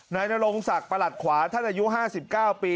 นายนรงศักดิ์ประหลัดขวาท่านอายุ๕๙ปี